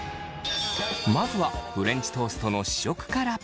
まずはフレンチトーストの試食から。